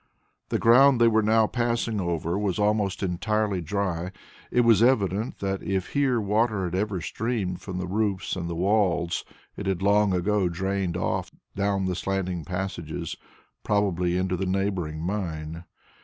The ground they were now passing over was almost entirely dry. It was evident that if here water had ever streamed from the roofs and the walls, it had long ago drained off down the slanting passages, probably into the neighbouring mine.